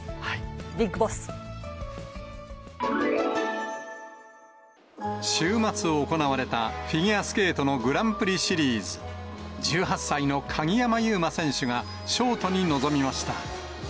ビッグボス。週末行われたフィギュアスケートのグランプリシリーズ。１８歳の鍵山優真選手が、ショートに臨みました。